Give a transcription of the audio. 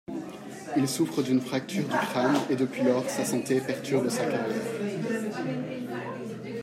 Il souffre d'une fracture du crâne et depuis lors sa santé perturbe sa carrière.